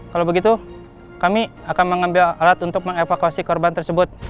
kalau begitu kami akan mengambil alat untuk mengevakuasi korban tersebut